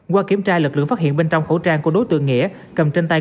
qua kiểm tra lực lượng phát hiện bên trong khẩu trang của đối tượng nghĩa cầm trên tay